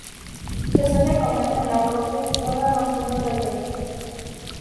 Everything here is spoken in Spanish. Se suele comer con la propia tostada rompiendo la yema.